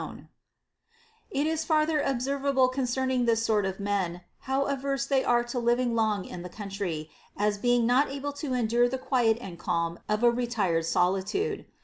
vol. ii. 28 434 OF 1NQUISITIVENESS It is farther observable concerning this sort of men, how averse they are to living long in the country, as being not able to endure the quiet and calm of a retired solitude.